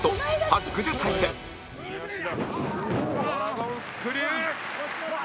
ドラゴンスクリュー！